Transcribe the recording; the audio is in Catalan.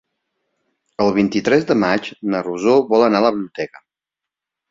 El vint-i-tres de maig na Rosó vol anar a la biblioteca.